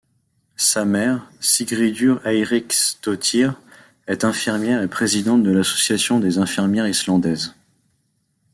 Sa mère, Sigríður Eiríksdóttir, est infirmière et présidente de l'Association des infirmières islandaises.